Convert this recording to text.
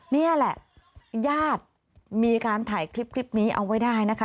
นี่แหละญาติมีการถ่ายคลิปนี้เอาไว้ได้นะคะ